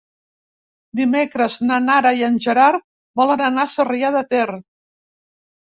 Dimecres na Nara i en Gerard volen anar a Sarrià de Ter.